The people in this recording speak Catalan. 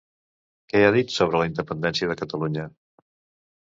Què ha dit sobre la independència de Catalunya?